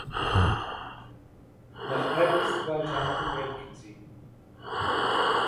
Nach ein bis zwei Tagen welken sie.